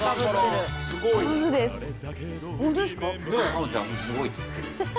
ｋａｎｏちゃんがすごいって言ってる。